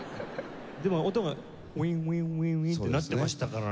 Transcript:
でも音がウインウインウインウインってなってましたからね。